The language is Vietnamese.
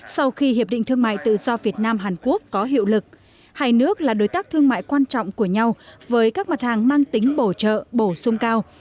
sau khi hiệp định thương mại tự do việt nam hàn quốc có hiệu lực hai nước là đối tác thương mại quan trọng của nhau với các mặt hàng mang tính bổ trợ bổ sung cao